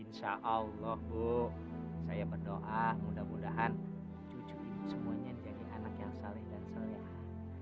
insyaallah bu saya berdoa mudah mudahan cucu ini semuanya jadi anak yang saling dan saling angin